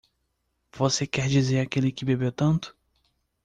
Você quer dizer aquele que bebeu tanto?